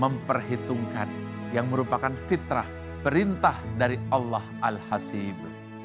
memperhitungkan yang merupakan fitrah perintah dari allah al hasib